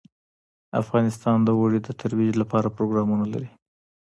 افغانستان د اوړي د ترویج لپاره پروګرامونه لري.